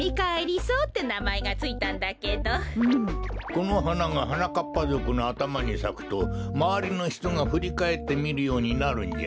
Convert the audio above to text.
このはながはなかっぱぞくのあたまにさくとまわりのひとがふりかえってみるようになるんじゃ。